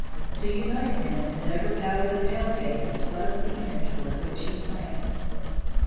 To unite them and overpower the palefaces was the end toward which he planned.